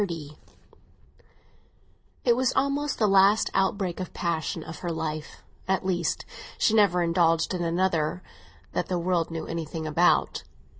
XXX IT was almost her last outbreak of passive grief; at least, she never indulged in another that the world knew anything about.